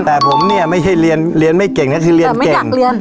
แต่ผมเนี่ยไม่ใช่เรียนไม่เก่งนะคือเรียนเก่งแต่ไม่อยากเรียน